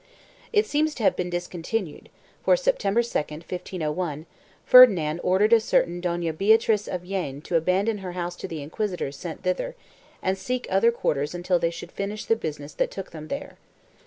It seems to have been discontinued, for Sep tember 2, 1501, Ferdinand ordered a certain Dona Beatriz of Jaen to abandon her house to the inquisitors sent thither, and to seek other quarters until they should finish the business that took them there.